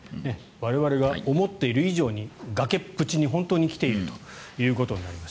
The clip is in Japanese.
我々が思ってる以上に崖っぷちに本当に来ているということになります。